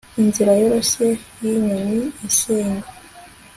inzira yoroshye yinyoni isenga